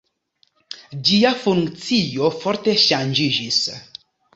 Ĝia funkcio forte ŝanĝiĝis.